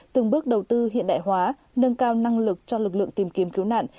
từng bước đầu tư hiện đại hóa nâng cao năng lực cho lực lượng tìm kiếm cứu nạn